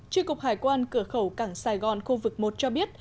tri cục hải quan cửa khẩu cảng sài gòn khu vực một cho biết